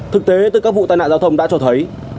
thực tế từ các vụ tai nạn giao thông đã cho thấy